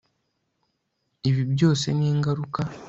Ibi byose ni ingaruka